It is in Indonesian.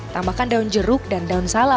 tambahkan daun jeruk dan daun sala